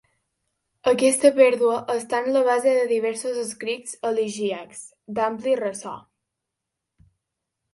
Aquesta pèrdua està en la base de diversos escrits elegíacs, d'ampli ressò.